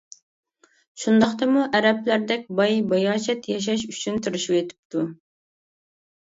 شۇنداقتىمۇ ئەرەبلەردەك باي، باياشات ياشاش ئۈچۈن تىرىشىۋېتىپتۇ.